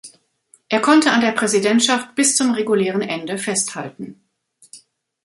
Er konnte an der Präsidentschaft bis zum regulären Ende festhalten.